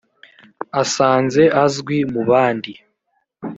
asanze azwi mu bandi